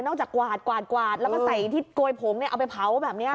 นอกจากกวาดแล้วก็ใส่ที่โกยผมเอาไปเผาแบบนี้ค่ะ